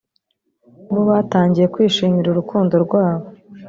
bo batangiye kwishimira urukundo rwabo